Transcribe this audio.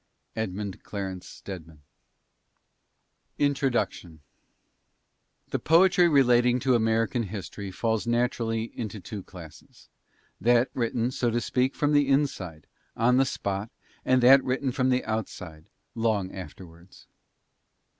EDMUND CLARENCE STEDMAN. INTRODUCTION The poetry relating to American history falls naturally into two classes: that written, so to speak, from the inside, on the spot, and that written from the outside, long afterwards.